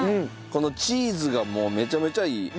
このチーズがもうめちゃめちゃいい。